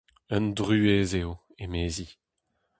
Un druez eo, emezi.